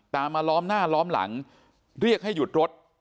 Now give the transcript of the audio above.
มาล้อมหน้าล้อมหลังเรียกให้หยุดรถ